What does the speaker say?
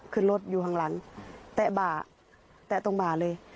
ขึ้นรถอยู่ข้างหลังแตะบ่าแตะตรงบ่าเลย